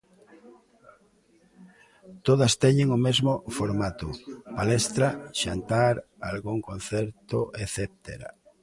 Todas teñen o mesmo formato: palestra, xantar, algún concerto etcétera.